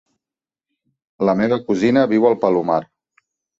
La meva cosina viu al Palomar.